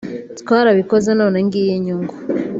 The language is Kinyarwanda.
twarabikoze none ngiyi inyungu